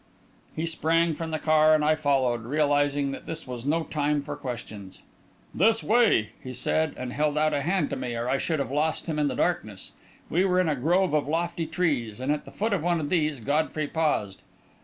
He sprang from the car, and I followed, realising that this was no time for questions. "This way," he said, and held out a hand to me, or I should have lost him in the darkness. We were in a grove of lofty trees, and at the foot of one of these, Godfrey paused.